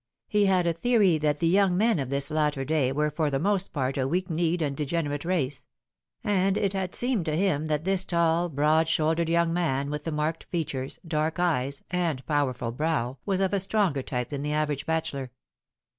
He had a theory that the young men of this latter day were for the most part a weak kneed and degenerate race ; and it had seemed to him that this tall, broad shouldered young man with the marked features, dark eyes, and powerful brow was of a stronger type than the average bachelor.